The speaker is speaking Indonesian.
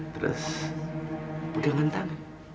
terus udah ngantam